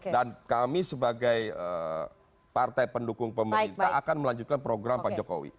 dan kami sebagai partai pendukung pemerintah akan melanjutkan program pak jokowi